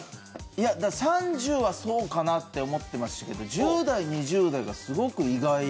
いや３０はそうかなって思ってましたけど１０代２０代がすごく意外でしたね。